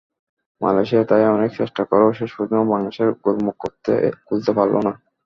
Malaysia তাই অনেক চেষ্টা করেও শেষ পর্যন্ত বাংলাদেশের গোলমুখ খুলতে পারল না।